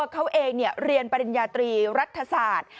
เขาเองเรียนปริญญาตรีรัฐศาสตร์